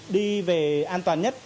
đi về an toàn nhất